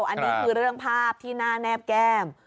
อันนี้คือเรื่องภาพที่หน้าแนบแก้ม